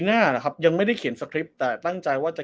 หน้านะครับยังไม่ได้เขียนสคริปต์แต่ตั้งใจว่าจะ